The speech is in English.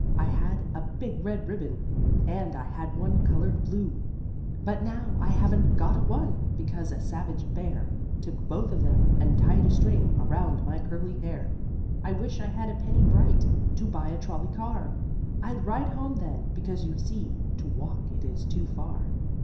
I had a big red ribbon, and I had one colored blue. But now I haven't got a one Because a savage bear Took both of them, and tied a string Around my curly hair. I wish I had a penny bright, To buy a trolley car. I'd ride home then, because, you see, To walk it is too far."